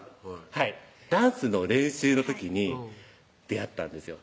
はいダンスの練習の時に出会ったんですよ